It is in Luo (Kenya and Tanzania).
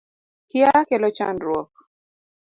Kia kelo chandruok